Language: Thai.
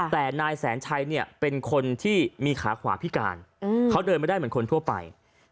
แต่นายแสนชัยเนี่ยเป็นคนที่มีขาขวาพิการเขาเดินไม่ได้เหมือนคนทั่วไป